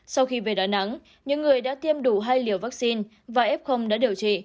sau khi về đà nẵng những người đã tiêm đủ hai liều vaccine và f đã điều trị